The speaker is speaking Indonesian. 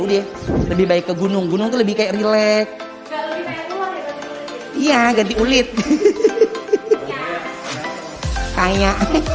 udah lebih baik ke gunung gunung lebih kayak rileks iya ganti ulit hahaha kayaknya